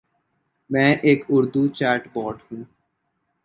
میں ایک Urdu chatbot ہوں۔